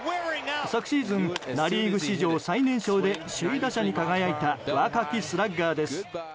昨シーズン、ナ・リーグ史上最年少で首位打者に輝いた若きスラッガーです。